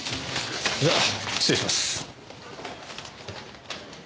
じゃ失礼します。